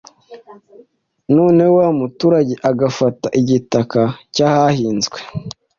noneho wa muturage agafata igitaka cy'ahahinzwe